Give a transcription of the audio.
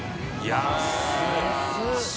安い！